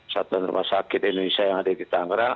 satuan rumah sakit indonesia yang ada di tangerang